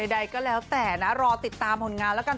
ใดก็แล้วแต่นะรอติดตามผลงานแล้วกัน